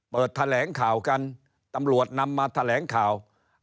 แถลงข่าวกันตำรวจนำมาแถลงข่าว